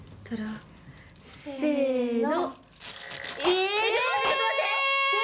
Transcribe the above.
せの！